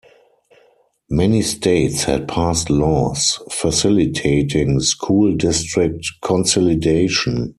Many states had passed laws facilitating school district consolidation.